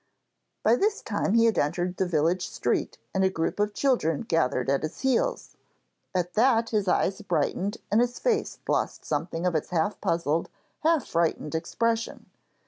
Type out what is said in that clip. By this time he had entered the village street and a group of children gathered at his heels. At that his eyes brightened and his face lost something of its half puzzled, half frightened expression.